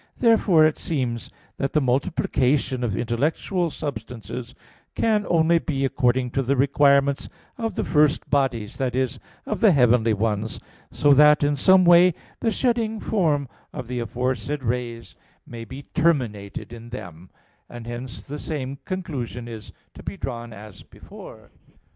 2). Therefore it seems that the multiplication of intellectual substances can only be according to the requirements of the first bodies that is, of the heavenly ones, so that in some way the shedding form of the aforesaid rays may be terminated in them; and hence the same conclusion is to be drawn as before.